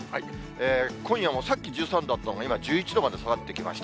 今夜もさっき１３度あったのが、今１１度まで下がってきました。